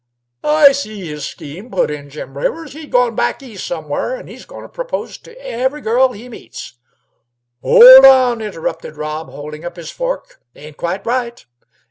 "I see his scheme," put in Jim Rivers. "He's goin' back East somewhere, an' he's goin' to propose to every girl he meets." "Hold on!" interrupted Rob, holding up his fork. "Ain't quite right.